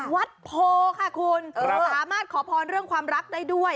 วัดโพค่ะคุณสามารถขอพรเรื่องความรักได้ด้วย